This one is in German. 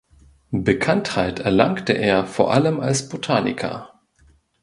Bekanntheit erlangte er vor allem als Botaniker.